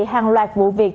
hàng loạt vụ việc